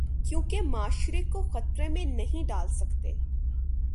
کیونکہ معاشرے کو خطرے میں نہیں ڈال سکتے۔